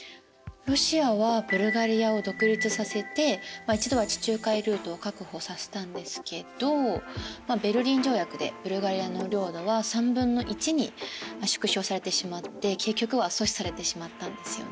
ロシアはブルガリアを独立させて一度は地中海ルートを確保させたんですけどベルリン条約でブルガリアの領土は３分の１に縮小されてしまって結局は阻止されてしまったんですよね。